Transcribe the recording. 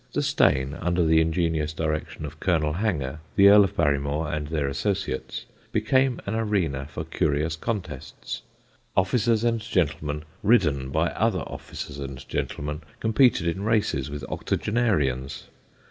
The Steyne, under the ingenious direction of Colonel Hanger, the Earl of Barrymore, and their associates, became an arena for curious contests. Officers and gentlemen, ridden by other officers and gentlemen, competed in races with octogenarians.